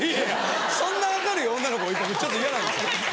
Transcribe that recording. そんな明るい女の子ちょっと嫌なんです。